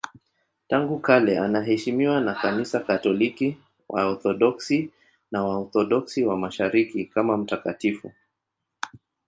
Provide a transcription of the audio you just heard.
Tangu kale anaheshimiwa na Kanisa Katoliki, Waorthodoksi na Waorthodoksi wa Mashariki kama mtakatifu.